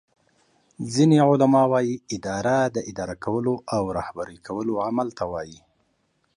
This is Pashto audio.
ځینی علما وایې اداره داداره کولو او رهبری کولو عمل ته وایي